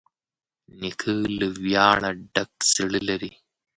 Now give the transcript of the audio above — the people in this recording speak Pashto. نیکه له ویاړه ډک زړه لري.